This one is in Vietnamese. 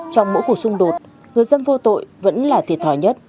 trong mỗi cuộc xung đột người dân vô tội vẫn là thiệt thòi nhất